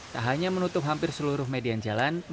tak hanya menutup hampir seluruh median jalan